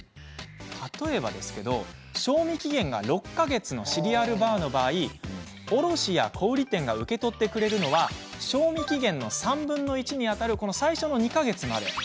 例えば、賞味期限が６か月のシリアルバーの場合おろしや小売店が受け取ってくれるのは賞味期限の３分の１にあたる最初の２か月まで。